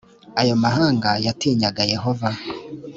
ayo mahanga yatinyaga yehova